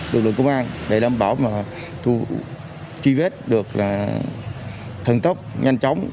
lực lượng công an để đảm bảo mà truy vết được là thần tốc nhanh chóng